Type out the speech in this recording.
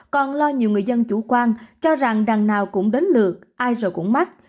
còn lo nhiều người dân chủ quan cho rằng đằng nào cũng đến lượt ai rồi cũng mắc